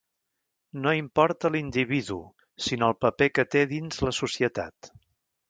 No importa l'individu sinó el paper que té dins la societat.